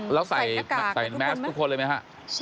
แล้วใส่แม็กซ์ทุกคนเลยไหมครับ